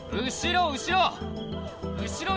後ろ、後ろ。